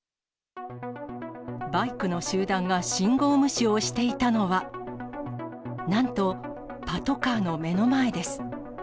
バイクの集団が信号無視をしていたのは、なんと、パトカーの目の前です。